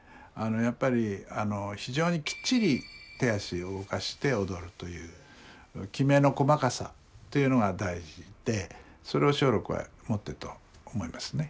やっぱり非常にきっちり手足を動かして踊るというきめの細かさというのが大事でそれを松緑は持ってると思いますね。